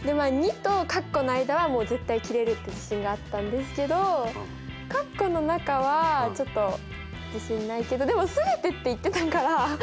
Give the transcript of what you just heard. ２とかっこの間はもう絶対切れるって自信があったんですけどかっこの中はちょっと自信ないけどでも「全て」って言ってたから付けちゃおみたいな。